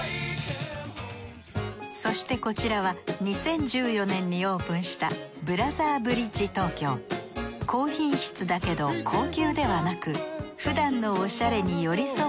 そしてこちらは２０１４年にオープンした高品質だけど高級ではなくふだんのおしゃれに寄り添う